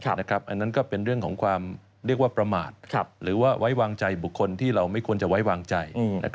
อันนั้นก็เป็นเรื่องของความเรียกว่าประมาทหรือว่าไว้วางใจบุคคลที่เราไม่ควรจะไว้วางใจ